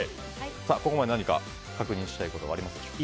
ここまで何か確認したいことはありますか？